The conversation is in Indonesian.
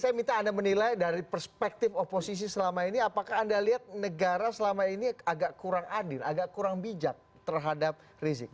saya minta anda menilai dari perspektif oposisi selama ini apakah anda lihat negara selama ini agak kurang adil agak kurang bijak terhadap rizik